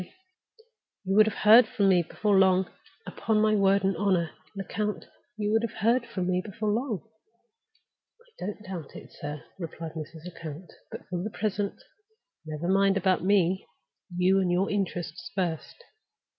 "You would have heard from me before long. Upon my word and honor, Lecount, you would have heard from me before long!" "I don't doubt it, sir," replied Mrs. Lecount. "But for the present, never mind about Me. You and your interests first."